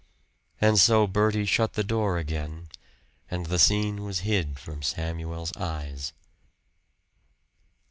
And so Bertie shut the door again, and the scene was hid from Samuel's eyes.